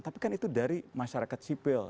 tapi kan itu dari masyarakat sipil